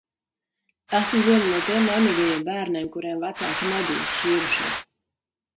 Esmu viena no tiem laimīgajiem bērniem, kuriem vecāki nebija šķīrušies.